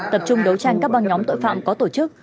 tập trung đấu tranh các băng nhóm tội phạm có tổ chức